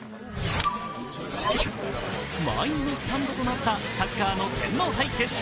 満員のスタンドとなったサッカーの天皇杯決勝。